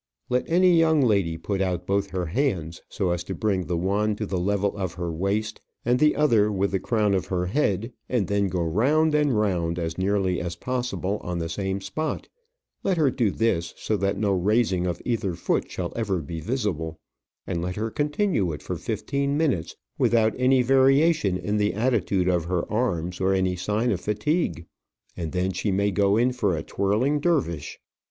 Let any young lady put out both her hands, so as to bring the one to the level of her waist, and the other with the crown of her head, and then go round and round, as nearly as possible on the same spot; let her do this so that no raising of either foot shall ever be visible; and let her continue it for fifteen minutes, without any variation in the attitude of her arms, or any sign of fatigue, and then she may go in for a twirling dervish.